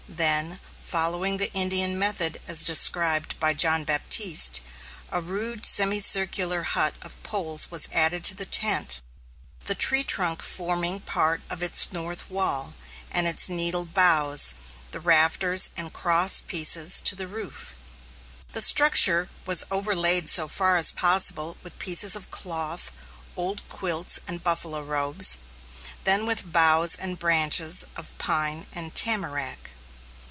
Then, following the Indian method as described by John Baptiste, a rude semi circular hut of poles was added to the tent, the tree trunk forming part of its north wall, and its needled boughs, the rafters and cross pieces to the roof. The structure was overlaid so far as possible with pieces of cloth, old quilts, and buffalo robes, then with boughs and branches of pine and tamarack.